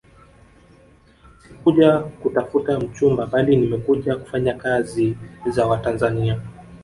Sikuja kutafuta mchumba bali nimekuja kufanya kazi za Watanzania